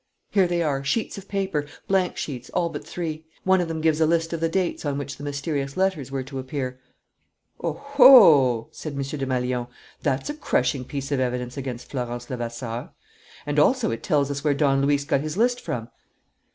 "Here they are: sheets of paper, blank sheets, all but three. One of them gives a list of the dates on which the mysterious letters were to appear." "Oho!" said M. Desmalions. "That's a crushing piece of evidence against Florence Levasseur. And also it tells us where Don Luis got his list from."